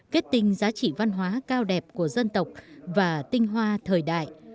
kết tinh giá trị văn hóa cao đẹp của dân tộc và tinh hoa thời đại